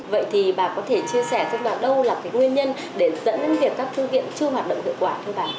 vậy thì bà có thể chia sẻ thật ra đâu là cái nguyên nhân để dẫn đến việc các thư viện chưa hoạt động hiệu quả không bà